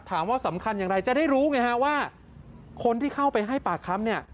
สำคัญอย่างไรจะได้รู้ไงฮะว่าคนที่เข้าไปให้ปากคำเนี่ย